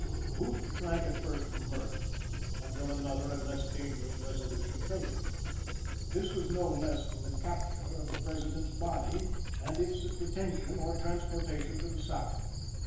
Booth shrank at first from murder, until another and less dangerous resolution failed. This was no less than the capture of the President's body, and its detention or transportation to the South.